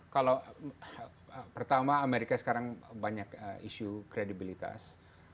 kalau pertama amerika sekarang banyak isu kredibilitas